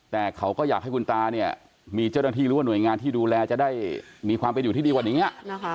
แต่เขาก็อยากให้คุณตาเนี่ยมีเจ้าหน้าที่หรือว่าหน่วยงานที่ดูแลจะได้มีความเป็นอยู่ที่ดีกว่านี้